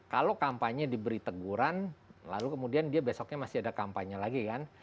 kalau kampanye diberi teguran lalu kemudian dia besoknya masih ada kampanye lagi kan